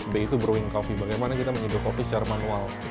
b itu brewing kopi bagaimana kita menyedih kopi secara manual